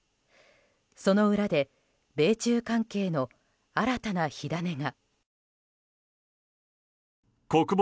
その裏で米中関係の新たな火種が。